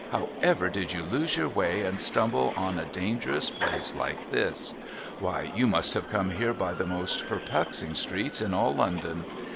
How ever did you lose your way and stumble on a dangerous place like this? Why you must have come here by the most perplexing streets in all London.